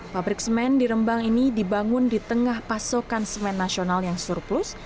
pabrik semen di rembang ini dibangun di tengah pasokan semen nasional yang surplus